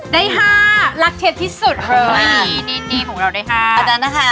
ได้๕รักเชฟที่สุดเลยนี่ของเราได้๕